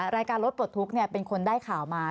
รายการรถปลดทุกข์เป็นคนได้ข่าวมา